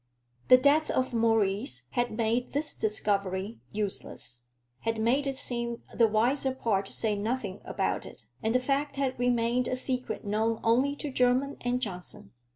The death of Maurice had made this discovery useless had made it seem the wiser part to say nothing about it; and the fact had remained a secret known only to Jermyn and Johnson.